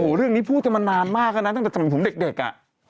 โอ้โหเรื่องนี้พูดกันมานานมากแล้วนะตั้งแต่สมัยผมเด็กอ่ะ